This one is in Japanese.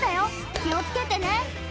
気をつけてね。